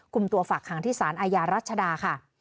กลุ่มตัวฝากหางที่สารอาญารัชดาค่ะ